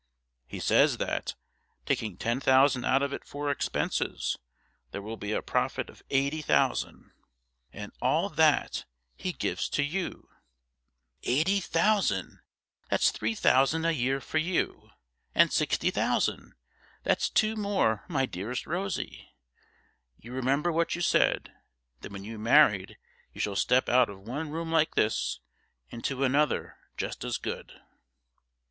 He says that, taking ten thousand out of it for expenses, there will be a profit of eighty thousand. And all that he gives to you eighty thousand, that's three thousand a year for you; and sixty thousand, that's two more, my dearest Rosie. You remember what you said, that when you married you should step out of one room like this into another just as good?'